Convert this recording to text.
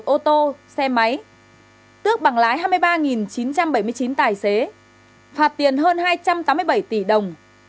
một trăm một mươi một ô tô xe máy tước bằng lái hai mươi ba chín trăm bảy mươi chín tài xế phạt tiền hơn hai trăm tám mươi bảy tỷ đồng